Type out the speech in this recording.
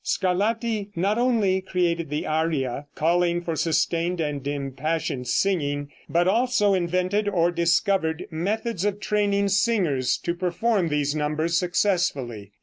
Scarlatti not only created the aria, calling for sustained and impassioned singing, but also invented or discovered methods of training singers to perform these numbers successfully.